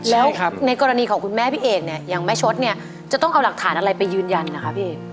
แล้วในกรณีของคุณแม่พี่เอกเนี่ยอย่างแม่ชดเนี่ยจะต้องเอาหลักฐานอะไรไปยืนยันนะคะพี่เอก